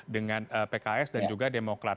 dengan pks dan juga demokrat